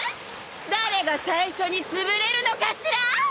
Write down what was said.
誰が最初につぶれるのかしら？